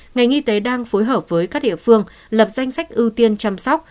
ngành y tế đang phối hợp với các địa phương lập danh sách ưu tiên chăm sóc